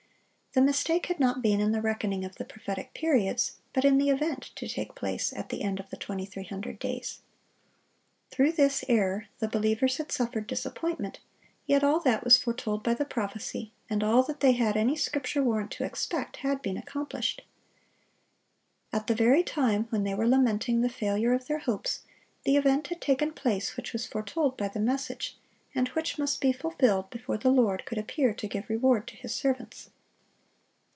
The mistake had not been in the reckoning of the prophetic periods, but in the event to take place at the end of the 2300 days. Through this error the believers had suffered disappointment, yet all that was foretold by the prophecy, and all that they had any Scripture warrant to expect, had been accomplished. At the very time when they were lamenting the failure of their hopes, the event had taken place which was foretold by the message, and which must be fulfilled before the Lord could appear to give reward to His servants.